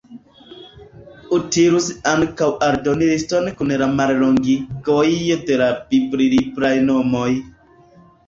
Utilus ankaŭ aldoni liston kun la mallongigoj de la bibli-libraj nomoj.